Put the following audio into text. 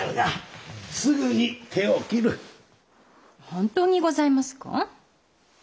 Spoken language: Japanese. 本当にございますか？